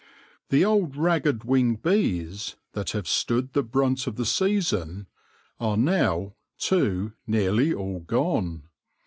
The old ragged winged bees, that have stood the brunt of the season, are now, too, nearly all gone.